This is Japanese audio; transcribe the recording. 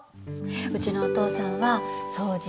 うちのお父さんは掃除